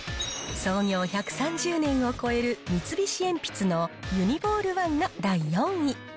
創業１３０年を超える三菱鉛筆のユニボールワンが第４位。